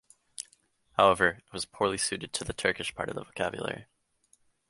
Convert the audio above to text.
However, it was poorly suited to the Turkish part of the vocabulary.